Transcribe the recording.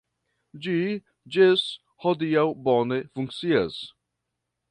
Ĝi ĝis hodiaŭ bone funkcias.